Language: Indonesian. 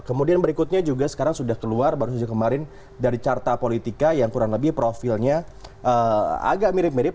kemudian berikutnya juga sekarang sudah keluar baru saja kemarin dari carta politika yang kurang lebih profilnya agak mirip mirip